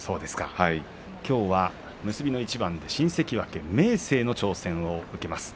きょうは結びの一番で新関脇の明生の挑戦を受けます。